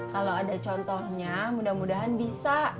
kalau ada contohnya mudah mudahan bisa